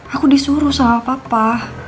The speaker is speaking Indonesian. aku disuruh sama papa